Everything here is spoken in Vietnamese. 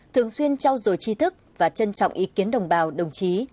thường xuyên trao dồi chi thức và trân trọng ý kiến đồng bào đồng chí